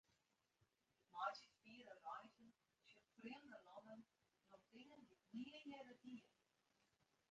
Ik meitsje fiere reizen, sjoch frjemde lannen, doch dingen dy'k nea earder die.